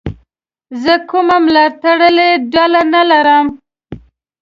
زه کومه ملاتړلې ډله نه لرم.